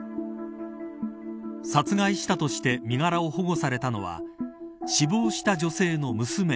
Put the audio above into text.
殺害したとして身柄を保護されたのは死亡した女性の娘